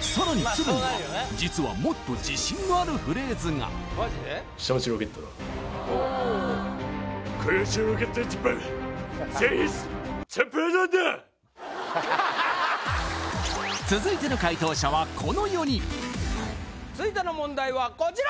さらに都留には実はもっと自信のあるフレーズが続いての解答者はこの４人続いての問題はこちら！